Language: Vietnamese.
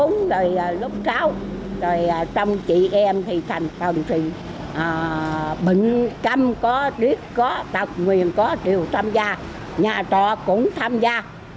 trong thành phần lúc sáu trong chị em thì thành phần thì bệnh trăm có điếc có tạc nguyên có đều tham gia nhà trò cũng tham gia